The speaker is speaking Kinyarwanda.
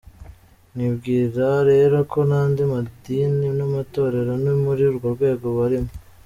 Nkibwira rero ko n’andi madini n’amatorero ni muri urwo rwego barimo.